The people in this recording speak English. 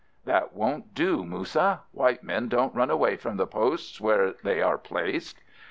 "That won't do, Moussa. White men don't run away from the posts where they are placed."